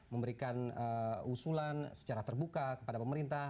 memberikan usulan secara terbuka kepada pemerintah